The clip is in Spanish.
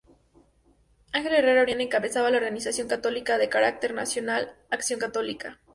Ángel Herrera Oria encabezaba la organización católica de carácter social Acción Católica.